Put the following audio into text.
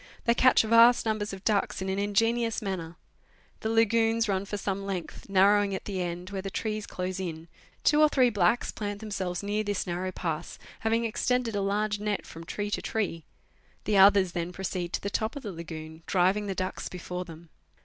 They catch vast numbers of ducks in an ingeni ous manner. The lagoons run for some length, narrowing at the end, where the trees close in; two or three blacks plant themselves near this narrow pass, having extended a large net from tree to tree; the others then proceed to the top of the lagoon, driving the ducks before them.